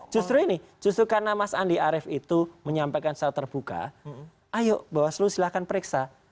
justru ini justru karena mas andi arief itu menyampaikan secara terbuka ayo bawaslu silahkan periksa